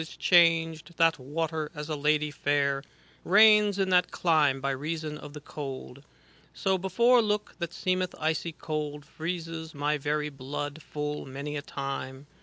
Is changed, that water, as a lady fair. Reigns in that clime by reason of the cold. ' So before look that seemeth icy cold, Freezes my very blood full many a time.